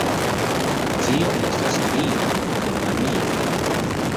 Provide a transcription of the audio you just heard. Tio estas lia kompanio.